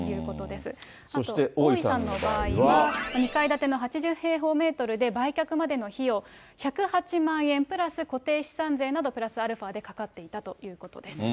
そして大井さんの場合は、２階建ての８０平方メートルで売却までの費用、１０８万円プラス固定資産税などプラスアルファでかかっていたということです。